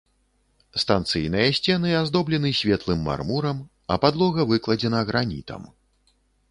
Станцыйныя сцены аздоблены светлым мармурам, а падлога выкладзена гранітам.